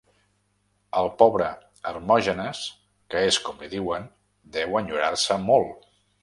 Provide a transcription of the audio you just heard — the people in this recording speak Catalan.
El pobre Hermògenes, que és com li diuen, deu enyorar-se molt.